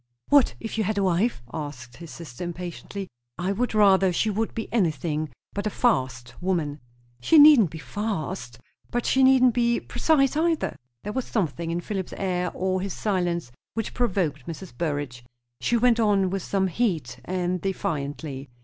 "What if you had a wife?" asked his sister impatiently. "I would rather she would be anything but a 'fast' woman." "She needn't be 'fast'; but she needn't be precise either." There was something in Philip's air or his silence which provoked Mrs. Burrage. She went on with some heat, and defiantly.